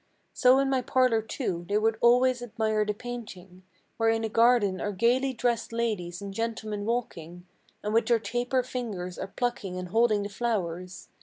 So in my parlor, too, they would always admire the painting, Where in a garden are gaily dressed ladies and gentlemen walking, And with their taper fingers are plucking and holding the flowers.